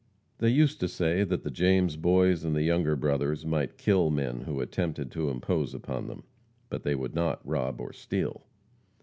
They used to say that the James Boys and the Younger Brothers might kill men who attempted to impose upon them, but they would not rob or steal.